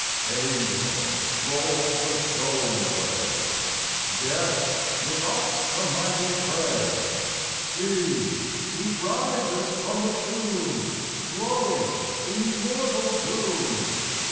Angel, roll the stone away ! Death, give up thy mighty prey ! See ! He rises from the tomb, Glowing in immortal bloom.